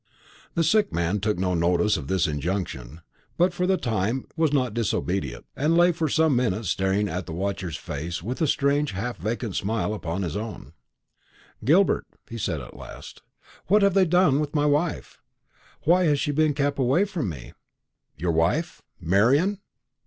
The sick man took no notice of this injunction; but for the time was not disobedient, and lay for some minutes staring at the watcher's face with a strange half vacant smile upon his own. "Gilbert," he said at last, "what have they done with my wife? Why has she been kept away from me?" "Your wife? Marian?"